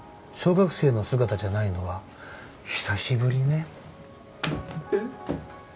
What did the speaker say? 小学生の姿じゃないのは久しぶりねえっ